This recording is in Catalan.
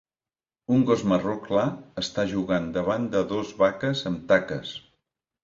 Un gos marró clar està jugant davant de dos vaques amb taques.